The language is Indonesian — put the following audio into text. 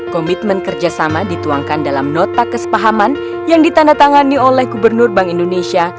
komitmen kerjasama dituangkan dalam nota kesepahaman yang ditandatangani oleh gubernur bank indonesia